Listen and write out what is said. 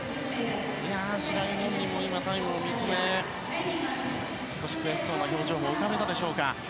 白井本人もタイムを見つめ少し悔しそうな表情も浮かべたでしょうか。